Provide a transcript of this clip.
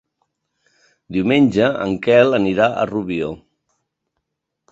Diumenge en Quel anirà a Rubió.